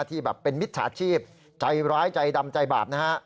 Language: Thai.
ที่แบบเป็นมิจฉาชีพใจร้ายใจดำใจบาปนะฮะ